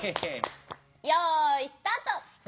よいスタート！